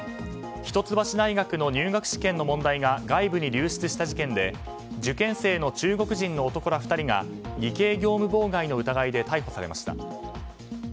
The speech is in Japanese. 一橋大学の入学試験の問題が外部に流出した事件で受験生の中国人の男ら２人が偽計業務妨害の疑いで逮捕されました。